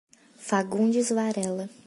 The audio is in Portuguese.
Fagundes Varela